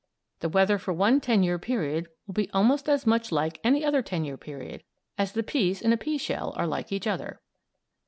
The weather for one ten year period will be almost as much like any other ten year period, as the peas in a pea shell are like each other.